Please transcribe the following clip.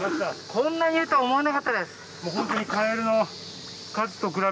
こんなにいるとは思わなかったです。